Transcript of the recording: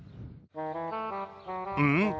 うん？